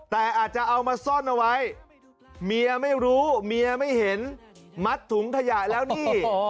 แต่อาจจะเอามาซ่อนเอาไว้เมียไม่รู้เมียไม่เห็นมัดถุงขยะแล้วนี่